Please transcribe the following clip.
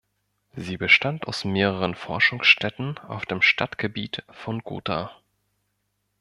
Sie bestand aus mehreren Forschungsstätten auf dem Stadtgebiet von Gotha.